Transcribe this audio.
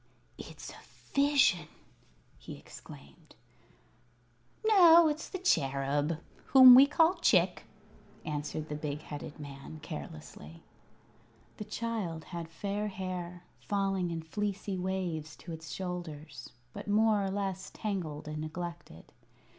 "It's a Vision!" he exclaimed. "No, it's the Cherub whom we call Chick," answered the big headed man, carelessly. The child had fair hair, falling in fleecy waves to its shoulders, but more or less tangled and neglected.